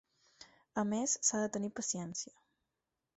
A més, s'ha de tenir paciència.